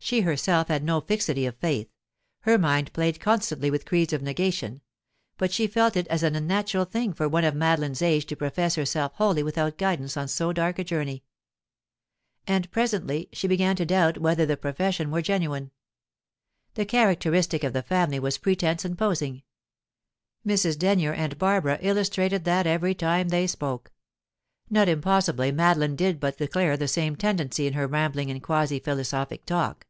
She herself had no fixity of faith; her mind played constantly with creeds of negation; but she felt it as an unnatural thing for one of Madeline's age to profess herself wholly without guidance on so dark a journey. And presently she began to doubt whether the profession were genuine. The characteristic of the family was pretence and posing; Mrs. Denyer and Barbara illustrated that every time they spoke. Not impossibly Madeline did but declare the same tendency in her rambling and quasi philosophic talk.